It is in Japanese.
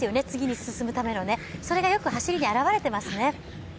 次に進むためのね、それがよく走りに表れていますね。